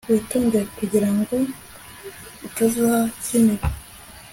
Witondere kugirango utazimira